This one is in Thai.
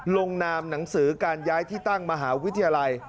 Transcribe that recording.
ลงนามหนังสือการย้ายที่ตั้งมหาวิทยาลัย